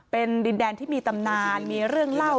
เป็นดินแดนที่มีตำนานมีเรื่องเล่า